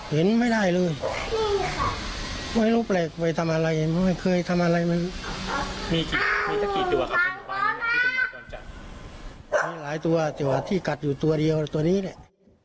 เห็นไม่ได้เลยไม่รู้แปลกไปทำอะไรเพราะไม่เคยทำอะไรมีสักกี่ตัวที่กัดอยู่ตัวเดียวตัวนี้แหละ